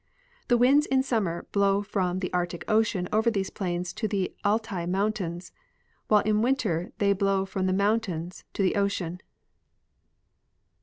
The winds in summer blow from the Arctic ocean over these plains to the Altai mountains, while in the winter they blow from the moun tains to the ocean.